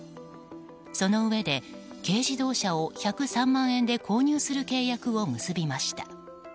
そのうえで、軽自動車を１０３万円で購入する契約を結びました。